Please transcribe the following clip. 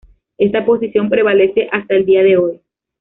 Esta posición prevalece hasta el día de hoy.